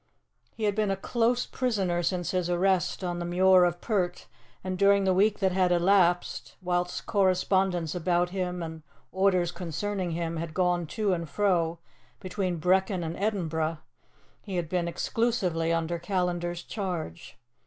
He had been a close prisoner since his arrest on the Muir of Pert, and during the week that had elapsed, whilst correspondence about him and orders concerning him had gone to and fro between Brechin and Edinburgh, he had been exclusively under Callandar's charge.